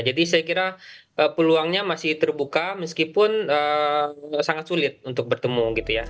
jadi saya kira peluangnya masih terbuka meskipun sangat sulit untuk bertemu